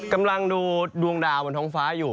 กำลังดูดวงดาวบนท้องฟ้าอยู่